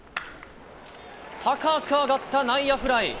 高く上がった内野フライ。